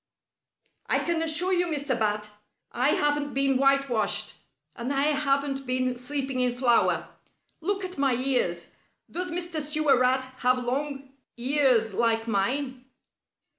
"I can assure you, Mr. Bat, I haven't been whitewashed, and I haven't been sleeping in flour. Look at my ears. Does Mr. Sewer Rat have long ears like mine?"